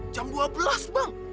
jam dua belas bang